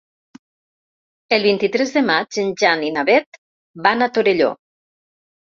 El vint-i-tres de maig en Jan i na Beth van a Torelló.